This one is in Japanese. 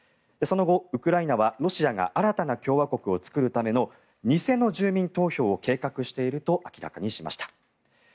その後、ウクライナはロシアが新たな共和国を作るための偽の住民投票を計画していると明らかにしました。